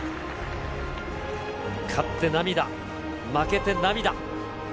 勝って涙、負けて涙。